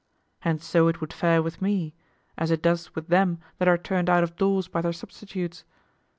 And so it would fare with me, as it does with them that are turned out of doors by their substitutes.